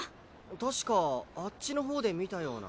確かあっちのほうで見たような。